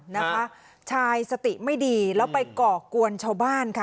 นะคะชายสติไม่ดีแล้วไปก่อกวนชาวบ้านค่ะ